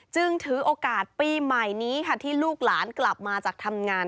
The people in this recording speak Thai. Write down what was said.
จึงถือโอกาสปีใหม่นี้ค่ะที่ลูกหลานกลับมาจากทำงาน